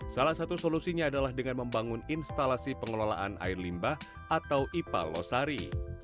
salah satu solusinya adalah dengan membangun instalasi pengelolaan air limbah atau ipal losari